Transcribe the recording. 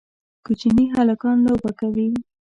کوچني هلکان لوبه کوي